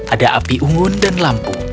ada api unggun dan lampu